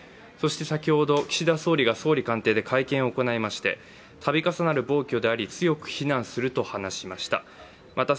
先ほど岸田総理が総理官邸で会見を行いましてたびかさなる暴挙であり強く非難すると話しました。